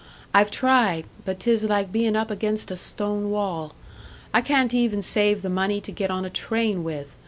I've tried but 'tis like bein' up against a stone wall. I can't even save the money to get on a train with!